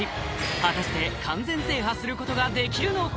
果たして完全制覇することができるのか？